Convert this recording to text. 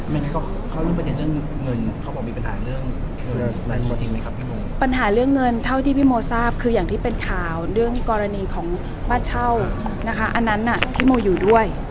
ไม่ได้เขารู้ประเด็นเรื่องเงินเขาบอกมีปัญหาเรื่องไรโมจริงไหมครับพี่โมปัญหาเรื่องเงินเท่าที่พี่โมทราบคืออย่างที่เป็นข่าวเรื่องกรณีของบ้านเช่านะคะอันนั้นน่ะที่โมอยู่ด้วย